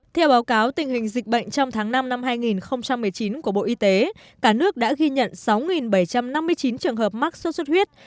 theo báo cáo tình hình dịch bệnh trong tháng năm năm hai nghìn một mươi chín của bộ y tế cả nước đã ghi nhận sáu bảy trăm năm mươi chín trường hợp mắc sốt xuất huyết